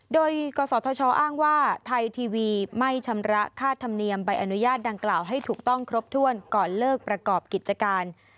โดยกศธชอ้างว่าไทยทีวีไม่ชำระค่าธรรมเนียมใบอนุญาตดังกล่าวให้ถูกต้องครบถ้วนก่อนเลิกประกอบกิจการ